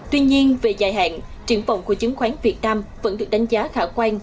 tuy nhiên về dài hạn triển vọng của chứng khoán việt nam vẫn được đánh giá khả quan